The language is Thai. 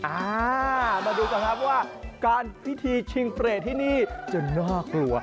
อ่ามาดูกันครับว่าการพิธีชิงเปรตที่นี่จะน่ากลัว